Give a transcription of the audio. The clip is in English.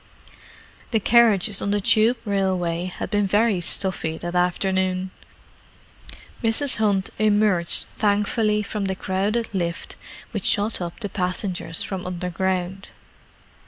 The carriages on the Tube railway had been very stuffy that afternoon. Mrs. Hunt emerged thankfully from the crowded lift which shot up the passengers from underground.